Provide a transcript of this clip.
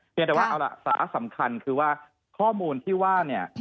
แต่ว่าเอาล่ะสาระสำคัญคือว่าข้อมูลที่ว่าเนี่ย